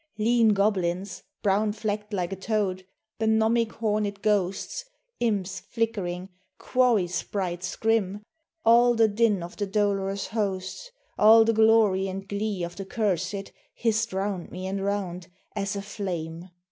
Lean goblins, brown flecked like a toad, the gnomic horned ghosts, Imps flickering, quarry sprites grim, all the din of the dolorous hosts, All the glory and glee of the cursèd hissed round me and round, as a flame.